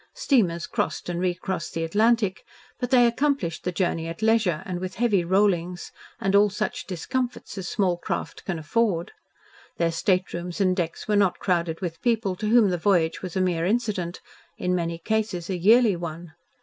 Steamers crossed and recrossed the Atlantic, but they accomplished the journey at leisure and with heavy rollings and all such discomforts as small craft can afford. Their staterooms and decks were not crowded with people to whom the voyage was a mere incident in many cases a yearly one.